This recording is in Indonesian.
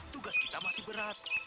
tugas kita masih berat